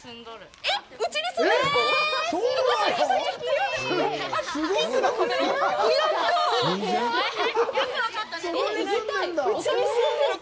えっ、うちに住んでる子？